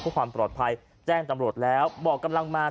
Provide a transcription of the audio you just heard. เพื่อความปลอดภัยแจ้งตำรวจแล้วบอกกำลังมา